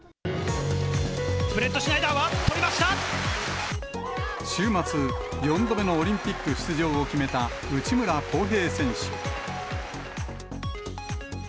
ブレットシュナイダーは、週末、４度目のオリンピック出場決めた内村航平選手。